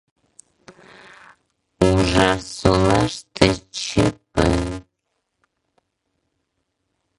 Ужарсолаште — ЧП!